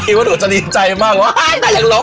คิดว่าหนูจะนีใจมากว่าไอ้ยแจกยังรบ